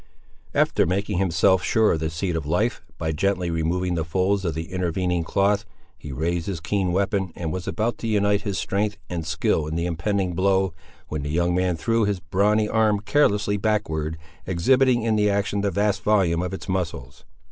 After making himself sure of the seat of life, by gently removing the folds of the intervening cloth, he raised his keen weapon, and was about to unite his strength and skill in the impending blow, when the young man threw his brawny arm carelessly backward, exhibiting in the action the vast volume of its muscles.